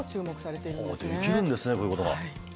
できるんですね、そういうことが。